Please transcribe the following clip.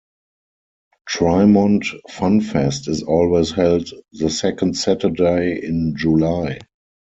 Trimont FunFest is always held the second Saturday in July.